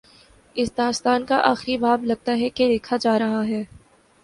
اس داستان کا آخری باب، لگتا ہے کہ لکھا جا رہا ہے۔